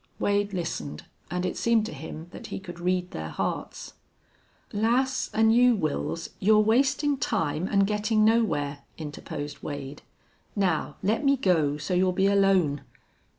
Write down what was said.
Wade listened, and it seemed to him that he could read their hearts. "Lass, an' you, Wils you're wastin' time an' gettin' nowhere," interposed Wade. "Now let me go, so's you'll be alone."